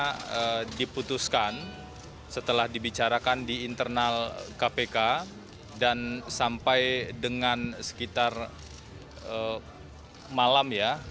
karena diputuskan setelah dibicarakan di internal kpk dan sampai dengan sekitar malam ya